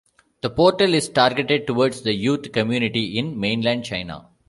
The portal is targeted towards the youth community in Mainland China.